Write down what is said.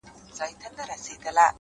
• د نجات لوری یې ورک سو هري خواته ,